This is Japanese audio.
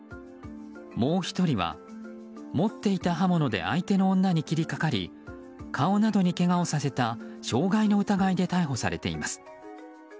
もう１人は持っていた刃物で相手の女に切りかかり顔などにけがをさせた傷害の疑いで逮捕されています。